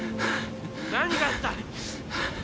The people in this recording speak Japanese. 何があった？